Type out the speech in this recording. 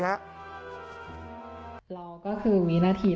เราก็คือวินาที